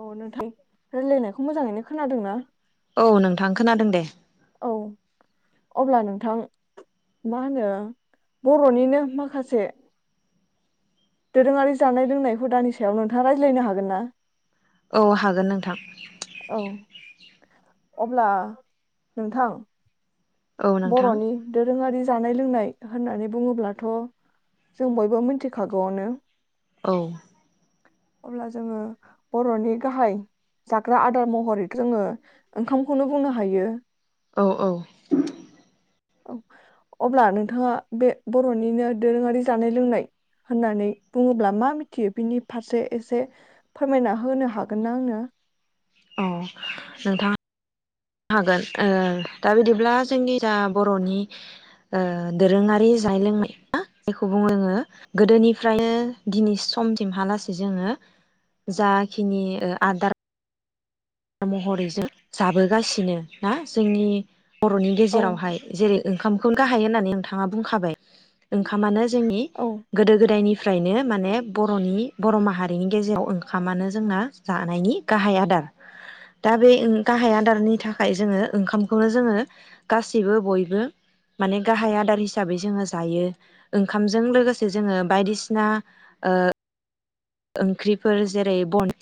अ नोंथां रायलायनायखौ मोजाङैनो खोनादोंना औ नोंथां खोनादों दे औ अब्ला नोंथां मा होनो बर'निनो माखासे दोरोङारि जानाय लोंनाय हुदानि सायाव नोंथाङा रायज्लायनो हागोन ना? औ हागोन नोंथां औ अब्ला नोंथां औ नोंथां बर'नि दोरोङारि जानाय लोंनाय होननानै बुङोब्लाथ' जों बयबो मिथिखागौआवनो औ अब्ला जोङो बर'नि गाहाय जाग्रा आदार महरै जोङो ओंखामखौनो बुंनो हायो औ औ औ अब्ला नोंथाङा बे बर'निनो दोरोङारि जानाय लोंनाय होननानै बुङोब्ला मा मिथियो बिनि फारसे एसे फोरमायना होनो हागोन ना आंनो अह नोंथाङा नो हागोन ओ दा बिदिब्ला जोंनि जा बर'नि ओ दोरोङारि जानाय लोंनाय जायखौ बुङो गोदोनिफ्रायनो दिनै समसिमहालासेै जोङो जाखिनि ओ आदार महरैजों जाबोगासिनो ना जोंनि बर'नि औ गेजेरावहाय जेरै ओंखामखौनो गाहाय होननानै नोंथाङा बुंखाबाय ओंखामानो जोंनि औ गोदो गोदायनि फ्रायनो माने बर'नि बर' माहारिनि गेजेराव ओंखामानो जोंना जानायनि गाहाय आदार दा बे गाहाय आदारनि थाखाय जोङो ओंखामखौनो जोङो गासैबो बयबो माने गाहाय आदार हिसाबै जोङो जायो ओंखामजों लोगोसे जोङो बायदिसिना ओंख्रिफोर जेरै बन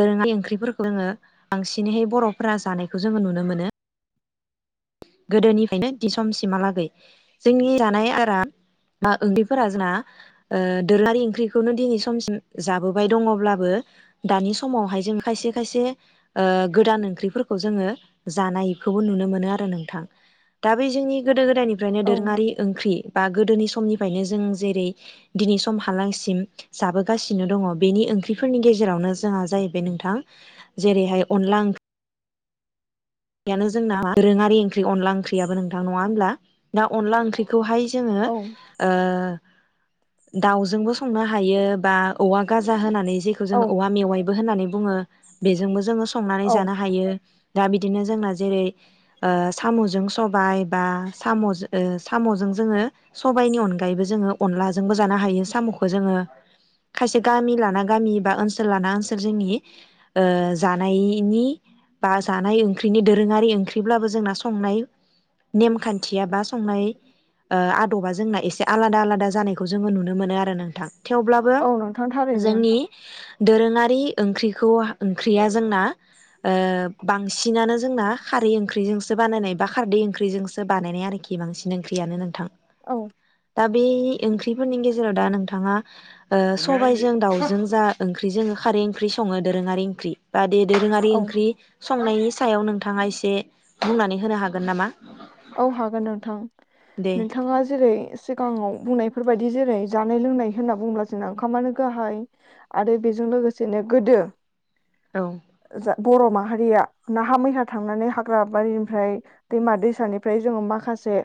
दोरोङारि ओंख्रिफोरखौ जोङो बांसिनैहाय बर'फोरा जानायखौ जोङो नुनो मोनो गोदोनिफ्रायनो दिन समसिमहालागै जोंनि जानाय आरो ओंन्दैफोरा जोंना दोरलारि ओंख्रिखौनो दिनै समसिम जाबोबाय दङब्लाबो दानि समावहाय जों खायसे खायसे गोदान ओंख्रिफोरखौ जोङो जानायखौबो नुनो मोनो आरो नोंथां दा बे जोंनि गोदो गोदायनि ओमफ्रायनो औ दोरोङारि ओंख्रि बा गोदोनि समनिफ्रायनो जों जेरै दिनै समालासिम बेनो जोंना दोरोङारि ओंख्रि अनला ओंख्रियाबो नोंथां नङा होनब्ला दा अनला ओंख्रि खौहाय जोङो औ ओ दाउजोंबो संनो हायो बा औवा गाजा होनानै जेखौ औ जोङो औवा मेवाइबो होननानै बुङो। बेजोंबो जोङो संनानै औ जानो हायो। दा बि दिनो जोंना जेरै ओ साम'जों सबाय बा साम' जो ओ साम'जों जोङो सबायनि अनगायैबो जोङो अनलाजोंबो जानो हायो साम'खौ जोङो खायसे गामि लाना गामि बा ओनसोल लाना ओनसोल जोंनि ओ जानायनि बा जानाय ओं ख्रिनि दोरोङारि ओंख्रि ब्लाबो जोंना संनाय नेमखान्थिया बा संनाय ओ आद थ'बा जोंना एसे आलादा आलादा जानायखौ जोङो नुनो मोनो आरो नोंथां। थेवब्लाबो औ नोंथां थारैनो जोंनि दोरोङारि ओंख्रिखौ हा ओंख्रिया जोंना ओ बांसि सिनानो जोंना खारै ओंख्रिजोंसो बानायनाय बा खारदै ओंख्रिजोंसो बानायनाय आरोखि बांसिन ओंख्रियानो नोंथां। औ दा बे ओंख्रिफोरनि गेजेराव दा नोंथाङा ओ सबायजों दाउजों जा ओंख्रिजों खारै ओंख्रि सङो दोरोङारि ओंख्रि बा बे दोरोङारि औ ओंख्रि संनायनि सायाव नोंथाङा एसे बुंनानै होनो हागोन नामा? औ हागोन नोंथां दे नोंथाङा जेरै सिगाङाव बुंनायफोर फोरबायदि जेरै जानाय लोंनाय होनना बुंब्ला जोंना ओंखामानो गाहाय आरो बेजों लोगोसेनो गोदो औ जा बर' माहारिया नाहा मैहा थांनानै हाग्रा बारिनिफ्राय दैमा दैसानि फ्राय जोङो माखासे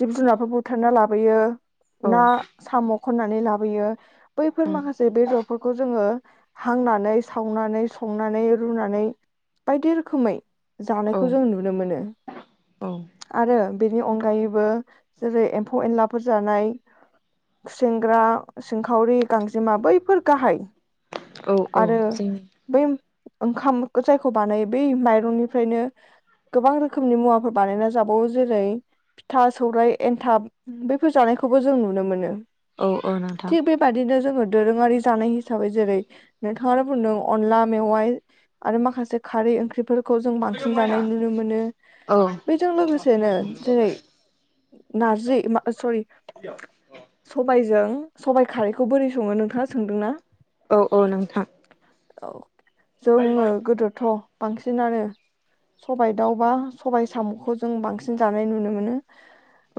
जिब-जुनारफोर बुथारना लाबोयो। औ ना, साम' खननानै लाबोयो। बैफोर औ माखासे बेदरफोरखौ जोङो हांनानै सावनानै संनानै रुनानै बायदि रोखोमै औ जानायखौ जों नुनो मोनो। औ आरो बेनि अनगायैबो जेरै एम्फौ-एनलाफोर जानाय खुसेंग्रा, सिंखावरि, गांजेमा बैफोर गाहाय औ आरो जोंनि बै ओंखाम जायखौ बानायो बै माइरंनिफ्रायनो गोबां रोखोमनि मुवाफोर बानायना जाबावो जेरै- फिथा, सौरायाय, एन्थाब बैफोर जानायखौबो जों नुनो मोनो। औ औ नोंथां थिग बे बादिनो जोंङो दोरोङारि जानाय हिसाबै जेरै नोंथाङानो बुंदों अनला मेवाइ आरो माखासे खारै ओंख्रिफोर खौ जों बांसिन जानाय नुनो मोनो औ बै लोगोसेनो जेरै नारजि ओ मा स'रि सबाय जों सबाय खारैखौ बोरै सङो नोंथाङा सोंदों ना। औ औ नोंथां औ जोङो गोदोथ' बांसिन नानो सबाइ दाउबा सबाय साम' जों बांसिन जानाय नुनो मोनो।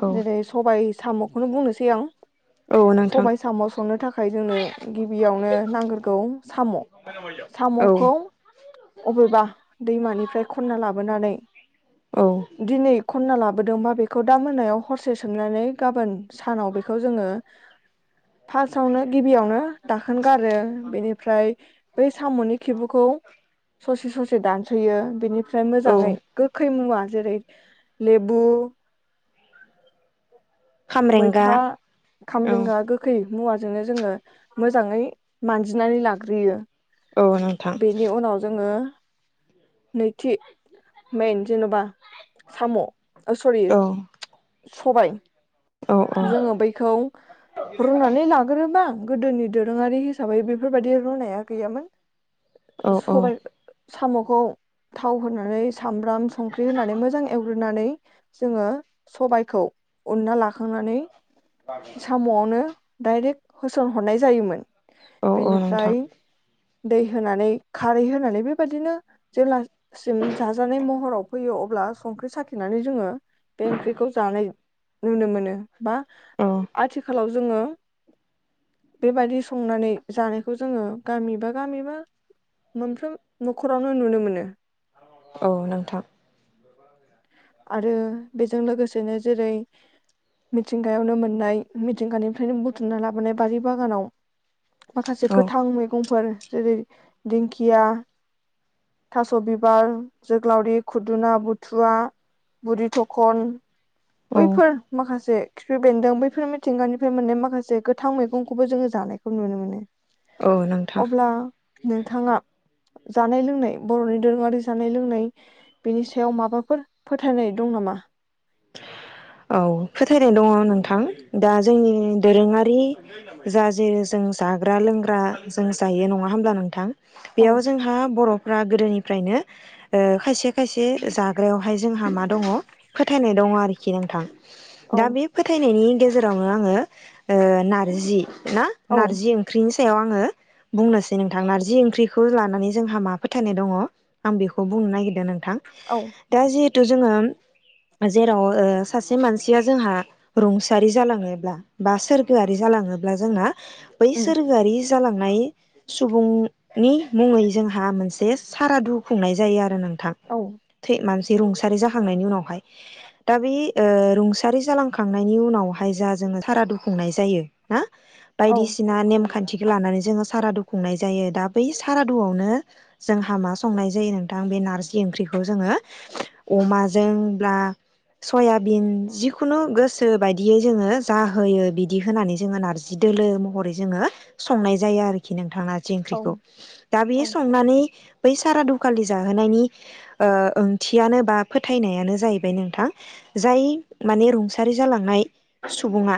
औ जेरै सबाय साम'खौनो बुंनोसै आं औ नोंथां सबाय साम' संनो थाखाय जोंनो गिबियावनो नांग्रोगौ साम' औ साम'खौ अबेबा दैमानिफ्राय खनना लाबोनानै औ दिनै खन खनना लाबोदोंबा बेखौ दा मोनायाव हरसे सोमनानै गाबोन सानाव बेखौ जोङो फा सावनो गिबियावनो दाखोन गारो बेनिफ्राय बै साम'नि खिबुखौ ससे ससे दानस'यो बेनिफ्राय औ मोजाङै गोखै मुवा जेरै लेबु। खामरेंगा मैथा, औ खामब्रेेंगा गोखै। मुवाजोंनो जोङो मोजाङै मानजिनानै लाग्रोयो। औ नोंथां। ओ नैथि मेन जेन'बा साम' अ स'रि औ सबाय। औ जोङो बैखौ रुनानै लाग्रोबा। गोदोनि दोरोङारि हिसाबै बे बेफोरबायदि रुनाया गैयामोन। औ औ सबाइ साम'खौ थाव होनानै सामब्राम संख्रि होनानै मोजां एवग्रोनानै जोङो सबायखौ उनना लाखांनानै साम'आवनो डायरेक्ट होसनहरनाय जायोमोन। औ औ बेनिफ्राय नोंथां। दै होनानै खारै हो होनानै बेबायदिनो जेब्लासिम जाजानाय महराव फैयो अब्ला संख्रि साखिनानै जोङो बे ओंख्रिखौ जानाय नुनो मोनो। बा औ आथिखालाव जोङो बेबायदि संनानै जानायखौ जोङो गामिबा गामिबा मोनफ्रोम न'खरावनो नुनो मोनो। औ नोंथां आरो बेजों लोगोसेनो जेरै मिथिंगायावनो मोननाय मिथिंगानिफ्रायनो बुथुमना लाबोनाय बारि बागानाव माखासे औ गोथां मैगंफोर। जेरै दिंखिया थास' बिबार जोग्लावरि खुदुना बुथुवा बुरि थखन औ बैफोर माखासे खिफि बेन्दों बैफोर मिथिंगानिफ्राय मोननाय माखासे गोथां मैगंखौबो जोङो जानायखौ नुनो मोनो। औ नोंथां अब्ला नोंथाङा जानाय लोंनाय बर'नि दोरोङारि जानाय लोंनाय। बेनि सायाव माबाफोर फोथायनाय दं नामा? औ फोथायनाय दङ नोंथां दा जोंनि दोरोङारि जा जेरै जों जाग्रा लोंग्रा जों जायो नङा होमब्ला नोंथां औ बेयाव जोंहा बर' गोदोनिफ्रायनो ओ खायसे खायसे जाग्रायावहाय जोंहा मा दङ फोथायनाय दङ आरोखि नोंथां औ दा बे फोथायनायनि गेजेरावनो आङो ओ नारजि ना औ नारजि ओंख्रि सायाव आङो बुंनोसै नोंथां नारजि ओंख्रिखौ लानानै जोंहा मा फोथायनाय दङ आं बेखौ बुंनो नागिरदों थां औ दा जि थु जोङो जेराव ओ सासे मानसिया जोंहा रुंसारि जालाङोब्ला बा सोरगोआरि जालाङोब्ला जोंना उम बैसोर गारि जालांनाय सुबुंनि मुङै जोंहा मोनसे सारादु खुंनाय जायो आरो नोंथां औ थै मानसि रुंसारि जाखांनायनि उनावहाय दा बे ओ रुंसारि जालांखांनायनि उनावहाय जा जोङो सारादु खुंनाय जायो ना औ बायदिसिना नेमखान्थि लानानै जोङो सारादु खुंनाय जायो दा बै सारादुआवनो जोंहा मा संनाय जायो नोंथां बे नारजि ओंख्रिखौ खौ जोङो अमाजों ब्ला सयाबिन जिखुनु गोसो बादियै जोङो जाहोयो बिदि होनानै जोङो नारजि दोलो महरै जोङो संनाय जायो आरोखि नोंथां जि औ ओंख्रिखौ दा बेयो औ संनानै बै सारादुखालि जाहोनायनि ओ ओंथियानो बा फोथायनायानो जाहैबाय नोंथां जाय माने रुंसारि जालांनाय सुबुङा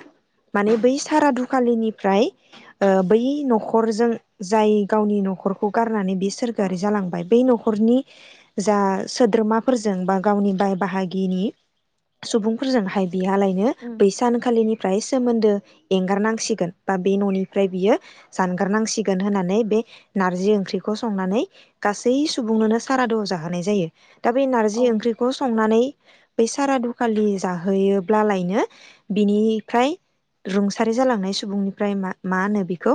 माने बै सारादुखालिनिफ्राय ओ बै न'खरजों जाय गावनि न'खरखौ गारनानै बे सोरगोआरि जालांबाय बै न'खरनि जा सोद्रोमाफोरजों बा गावनि बाय बाहागिनि सुबुंफोरजोंहाय बिहालायनो उम बैसानखालिनिफ्राय सोमोन्दो एंगारनांसिगोन बा बे न'निफ्राय बियो जानगारनांसिगोन होननानै बे नारजि ओंख्रिखौ संनानै गासै सुबुंनोनो सारादुआव जा होनाय जायो दा बे औ नारजि ओंख्रिखौ संनानै बै सारादुखालि जाहोयोब्लालायनो बिनिफ्राय रुंसारि जालांनाय सुबुंनिफ्राय मा होनो बेखौ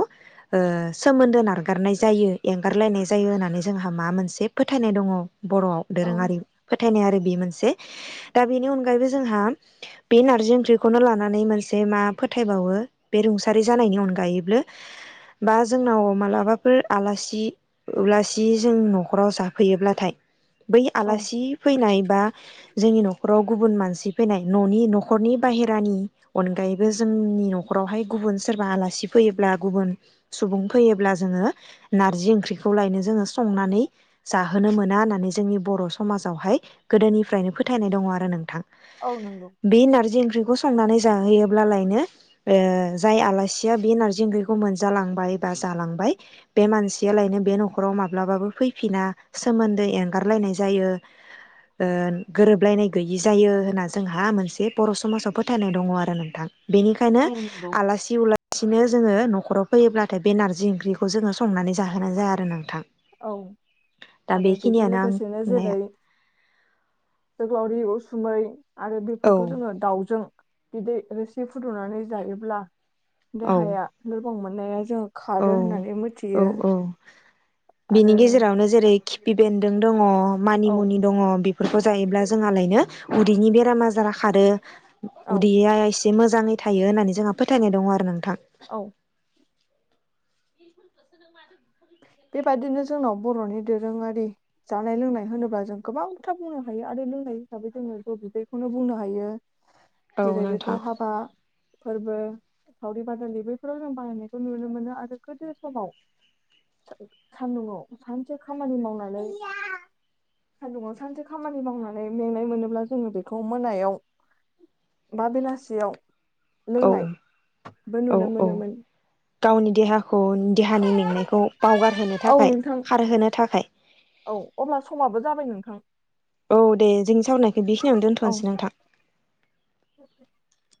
सोमोन्दो नारगारनाय जायो एंगारलायनाय जायो होननानै जोंहा मा मोनसे फोथायनाय दङ बर'आव औ दोरोङारि फोथायनाय आरो बे मोनसे दा बेनि अनगायैबो जोंहा बे नारजि ओंख्रिखौनो लानानै मोनसे मा फोथायबावो बे रुंसारि जानायनि अनगायैबो बा जोंनाव मालाबाफोर आलासि उलासि जों न'खराव जाफैयोब्लाथाय बै औ आलासि फैनाय बा जोंनि न'खराव गुबुन मानसि फैनाय न'नि न'खरनि बाहेरानि अनगायैबो जोंनि न'खरावहाय गुबुन सोरबा आलासि फैयोब्ला गुबुन सुबुं फैयोब्ला जोङो नारजि ओंख्रिखौ लायनो जोङो संनानै जाहोनो मोना होननानै ोंनि बर' समाजावहाय गोदोनिफ्रायनो फोथायनाय दङ आरो नोंथां औ नंगौ बे नारजि ओंख्रि खौ संनानै जाहैयोब्लालायनो जाय आलासिया बे नार्जि ओंख्रिखौ मोनजालांबाय बा जालांबाय बे मानसियालायनो बे न'खराव माब्लाबाबो फैफिना सोमोन्दो नागारलायनाय जायो गोरोबलायनाय गैयि जायो होनना जोंहा मोनसे बर' समाजाव फोथायनाय दङ' आरो नोंथां। बेनिखायनो औ नंगौ आलासि उलासिनो जोङो न'खराव फैयोब्लाथाय बे नार्जि ओंख्रिखौ जोङो संनानै जाहोनाय जाया आरो नोंथां। औ दा आरो बेजों बेखिनियानो लोगो आं सेनो जेरै बुंनाया जोगलावरि, उसुमै आरो औ बेफोरखौ जोङो दाउजों बिदै रोसि फुदुंनानै जायोब्ला औ देहाया द [unintelligible] मोननाया जों औ खारो होननानै औ मोथियो। औ बिनि गेजेरावनो जेरै किपि बेन्दों दं दङ' औ मानिमुनि दङ' बेफोरखौ जायोब्ला जोंहालायनो उदैनि बेराम आजारा खारो। औ उदैया इ से मोजाङै थायो होननानै जोंहा फोथायनाय दङ' आरो नोंथां। औ बेबायदिनो जोंनाव बर'नि दोरोङारि जानाय लोंनाय होनोब्ला जों गोबांथार बुंनो हायो आरो लोंनाय हिसाबै जोङो जौ बिदैखौनो बुंनो हायो। औ जेरै बेखौ नोंथां हाबा फोर्बो, सावरि बादालि बैफोराव जों बाहायनायखौ नुनो मोनो। आरो गोदो समाव सान्दुङाव सानसे खामानि मावनानै सान्दुङाव सानसे खामानि मावनानै मेंनाय मोनोब्ला जोङो बेखौ मोनायाव बा बेलासियाव औ लोंनायबो औ नुनो औ मोनोमोन गावनि देहाखौ देहानि मेंनायखौ बावगारहोनो औ थाखाय नोंथां खारहोनो थाखाय औ अब्ला समाबो जाबाय नोंथां। औ दे जोंनि सावरायनायखौ बेखिनियावनो औ दोन्थ'नसै नोंथां। [inaudible]